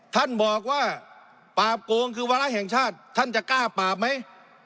ท่านบอกว่าปราบโกงคือวาระแห่งชาติท่านจะกล้าปราบไหม